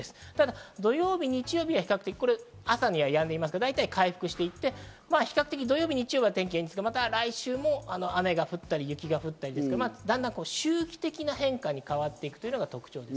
土曜日、日曜日は朝にはやんでいますから、回復していって比較的、土曜日・日曜日は天気がいいですが、来週もまた雨や雪が降ったりして、周期的な変化に変わっていくのが特徴です。